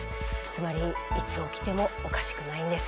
つまりいつ起きてもおかしくないんです。